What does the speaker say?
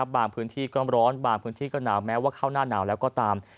บางพื้นที่ก็ร้อนบางพื้นที่ก็หนาวแม้ว่าเข้าหน้าหนาวแล้วก็ตาม